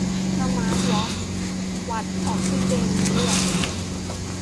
สมาร์ตวอตช์วัดออกซิเจนในเลือด